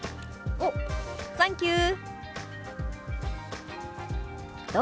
「おサンキュー」。